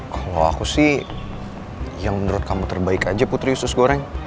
kalau aku sih yang menurut kamu terbaik aja putri khusus goreng